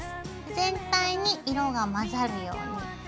全体に色が混ざるように。